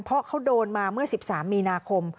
เพราะเขาโดนมาเมื่อ๑๓มีนาคม